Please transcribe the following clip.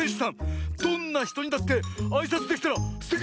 どんなひとにだってあいさつできたらすてきだよ！